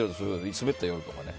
スベった夜とかね。